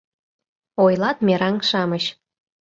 — ойлат мераҥ-шамыч.